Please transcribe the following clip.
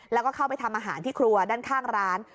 แล้วก็เข้าไปทำอาหารที่ครัวด้านข้างร้าน